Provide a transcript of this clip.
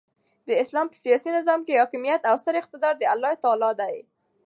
د اسلام په سیاسي نظام کښي حاکمیت او ستر اقتدار د االله تعالى دي.